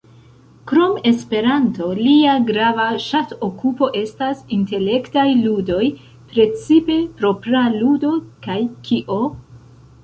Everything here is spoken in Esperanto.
Krom Esperanto, lia grava ŝatokupo estas intelektaj ludoj, precipe "Propra ludo" kaj "Kio?